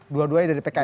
dua duanya dari pks